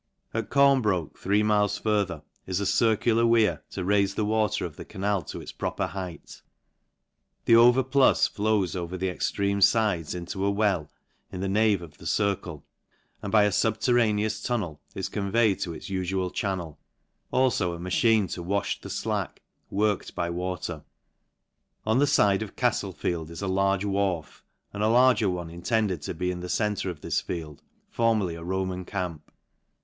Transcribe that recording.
At Comhrchy three miles further, is a circular wear to raife the water of the canal to 'its proper height : the overplus flows over the extreme fides x iuto LANCASHIRE. iSi nto a well in the nave of rhe circle ; and by a fub terraneous tunnel is conveyed to its ufual chan nel ; alfo a machine to warn the flack, worked by water. On the fide of CajV;e feld is a large wharf, and a larger one intended to be in the centre of this field, formerly a Roman camp.